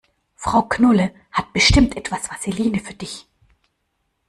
Frau Knolle hat bestimmt etwas Vaseline für dich.